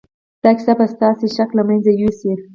دا کیسه به ستاسې شک له منځه یوسي